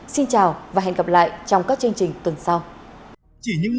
xin chào và hẹn gặp lại trong các chương trình tuần sau